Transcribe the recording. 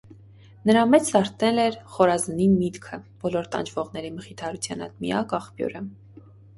Նրա մեջ զարթել էր խորազնին միտքը - բոլոր տանջվողների մխիթարության այդ միակ աղբյուրը: